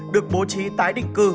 được bố trí tái định cư